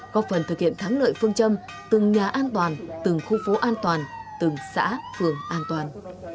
có phần thực hiện thắng lợi phương châm từng nhà an toàn từng khu phố an toàn từng xã phường an toàn